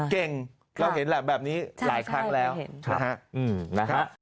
เก่งเราเห็นแหละแบบนี้หลายครั้งแล้วนะฮะ